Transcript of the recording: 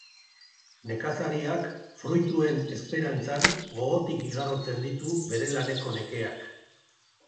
Nekazariak fruituen esperantzan gogotik igarotzen ditu bere laneko nekeak